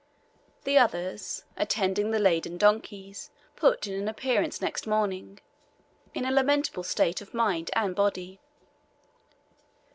The others, attending the laden donkeys, put in an appearance next morning, in a lamentable state of mind and body.